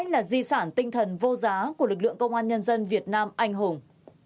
nghị sản tinh thần vô giá của lực lượng công an nhân dân việt nam anh hùng